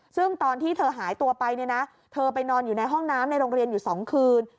ซึ่งตอนที่เธอหายตัวไปเนี่ยนะเธอไปนอนอยู่ในห้องน้ำในโรงเรียนอยู่๒คืน